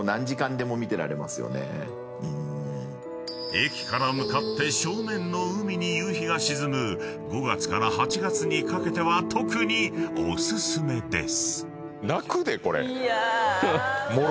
［駅から向かって正面の海に夕日が沈む５月から８月にかけては特にお薦めです］